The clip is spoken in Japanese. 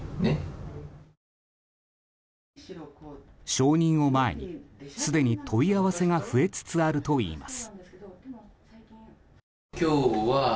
承認を前にすでに問い合わせが増えつつあるといいます。